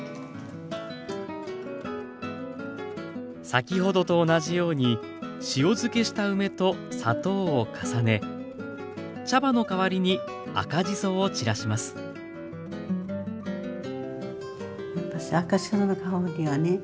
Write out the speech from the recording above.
先ほどと同じように塩漬けした梅と砂糖を重ね茶葉の代わりに赤じそを散らします。